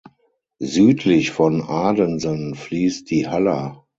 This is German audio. Südlich von Adensen fließt die Haller.